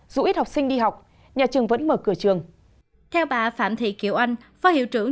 dù ít học sinh đi học nhà trường vẫn mở cửa trường